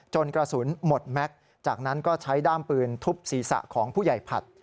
กระสุนหมดแม็กซ์จากนั้นก็ใช้ด้ามปืนทุบศีรษะของผู้ใหญ่ผัด